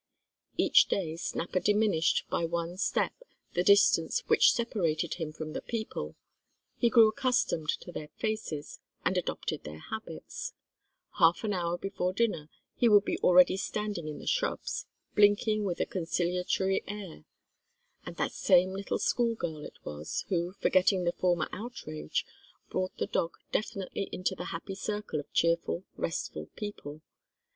Each day Snapper diminished by one step the distance which separated him from the people; he grew accustomed to their faces, and adopted their habits. Half an hour before dinner he would be already standing in the shrubs, blinking with a conciliatory air. And that same little schoolgirl it was, who, forgetting the former outrage, brought the dog definitely into the happy circle of cheerful, restful people.